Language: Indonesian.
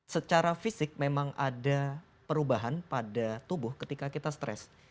secara fisik memang ada perubahan pada tubuh ketika kita stres